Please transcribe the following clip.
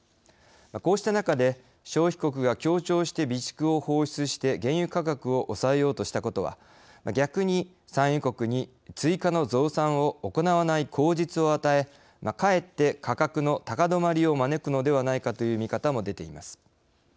こうした中で消費国が協調して備蓄を放出して原油価格を抑えようとしたことは逆に産油国に追加の増産を行わない口実を与えかえって価格の高止まりを招くのではないかという見方も出ています。